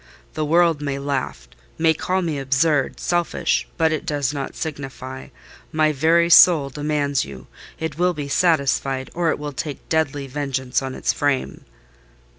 The world may laugh—may call me absurd, selfish—but it does not signify. My very soul demands you: it will be satisfied, or it will take deadly vengeance on its frame."